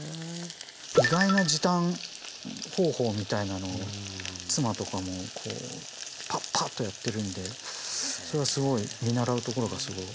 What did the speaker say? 意外な時短方法みたいなのを妻とかもこうパッパッとやってるんでそれはすごい見習うところが。